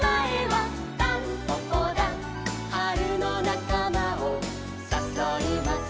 「はるのなかまをさそいます」